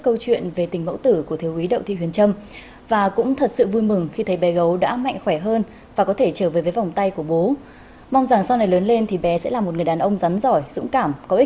câu chuyện về thiếu úy đậu thị huyền trâm phát hiện mắc bệnh ông thư phổi giai đoạn cuối